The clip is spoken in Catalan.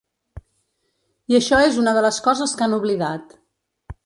I això és una de les coses que han oblidat.